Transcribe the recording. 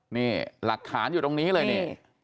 นี่หลักฐานอยู่ตรงนี้เลยนี่